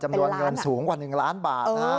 จำนวนเงินสูงกว่า๑ล้านบาทนะฮะ